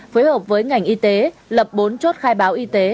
phối hợp với ngành y tế lập bốn chốt khai báo y tế